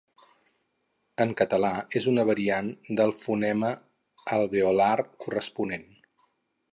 En català és una variant del fonema alveolar corresponent.